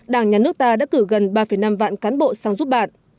đảng nhà nước ta đã cử gần ba năm vạn cán bộ sang giúp bạn